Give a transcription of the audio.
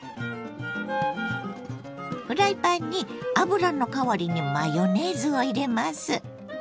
フライパンに油の代わりにマヨネーズを入れます。